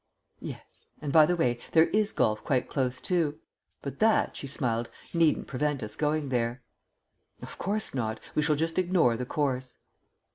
"Yes. And, by the way, there is golf quite close too. But that," she smiled, "needn't prevent us going there." "Of course not. We shall just ignore the course."